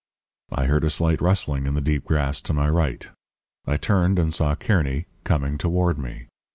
"I heard a slight rustling in the deep grass to my right. I turned and saw Kearny coming toward me.